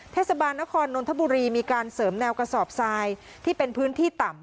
เทศบาลนครนนทบุรีมีการเสริมแนวกระสอบทรายที่เป็นพื้นที่ต่ำ